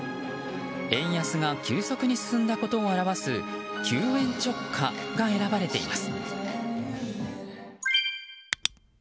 円安が急速に進んだことを表す「急円直下」が選ばれています。